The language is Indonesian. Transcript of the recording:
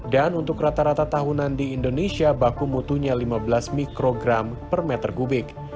dan untuk rata rata tahunan di indonesia baku mutunya lima belas mikrogram per meter kubik